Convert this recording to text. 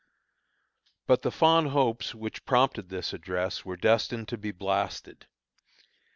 But the fond hopes which prompted this address were destined to be blasted.